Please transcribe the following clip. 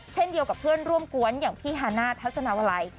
เช่นเดียวกับเพื่อนร่วมกวนอย่างพี่ฮาน่าทัศนาวลัย